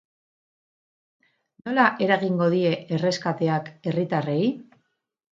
Nola eragingo die erreskateak herritarrei?